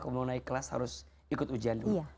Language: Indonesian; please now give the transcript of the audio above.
kemudian naik kelas harus ikut ujian dulu